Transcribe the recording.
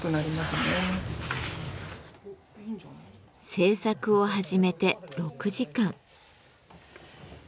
制作を始めて６時間。